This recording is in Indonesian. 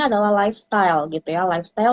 adalah lifestyle gitu ya lifestyle